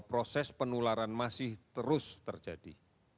proses penularan masih terus terjadi